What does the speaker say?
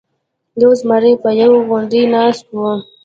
یو زمری په یوه غونډۍ ناست و.